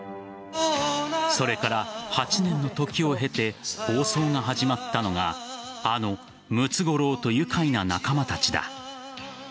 それから８年の時を経て放送が始まったのがあの「ムツゴロウとゆかいな仲間たち」だ。